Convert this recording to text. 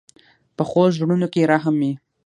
پخو زړونو کې رحم وي